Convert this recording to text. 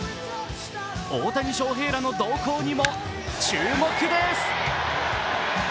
大谷翔平らの動向にも注目です。